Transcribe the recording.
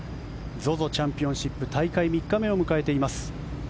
ＺＯＺＯチャンピオンシップ大会３日目を迎えています。